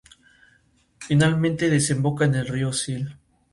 Finalmente desemboca en el río Sil.